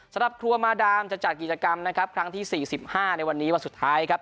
สำหรับครัวมาดามจะจัดกิจกรรมนะครับครั้งที่๔๕ในวันนี้วันสุดท้ายครับ